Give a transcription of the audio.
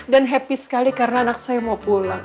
dan happy sekali karena anak saya mau pulang